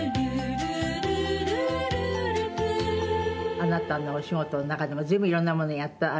あなたのお仕事の中でも随分色んなものをやったけど。